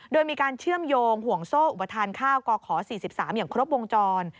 โดยมีการเชื่อมโยงห่วงโซ่อุปทานข้าวกข๔๓อย่างครบวงจร